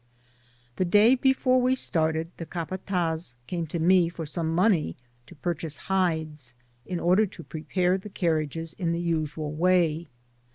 V1LLIK0. 48 The dsay befo^ w^ started, the capataz came to nie for some money to purchase hides, in order tp p«ep^ the carriages in the usual way.